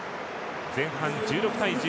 前半１６対１０。